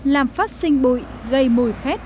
làm phát sinh bụi gây mùi khét